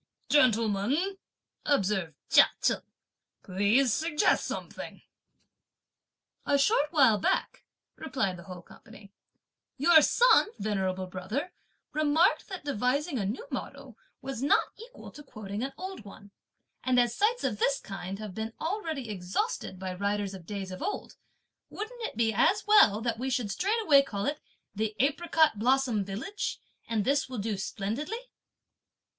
"Gentlemen," observed Chia Cheng, "please suggest something." "A short while back," replied the whole company, "your son, venerable brother, remarked that devising a new motto was not equal to quoting an old one, and as sites of this kind have been already exhausted by writers of days of old, wouldn't it be as well that we should straightway call it the 'apricot blossom village?' and this will do splendidly."